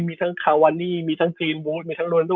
มีคาวอันนี่มีทั้งซีลวูซมีทั้งโรนันโด